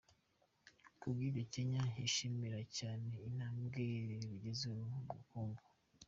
Ku bw’ibyo, Kenya yishimira cyane intambwe rugezeho mu bukungu.